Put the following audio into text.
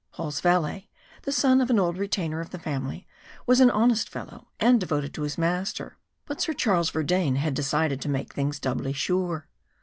Paul's valet, the son of an old retainer of the family, was an honest fellow, and devoted to his master but Sir Charles Verdayne had decided to make things doubly sure.